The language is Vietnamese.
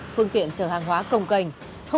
phương tiện chở hàng hóa công cành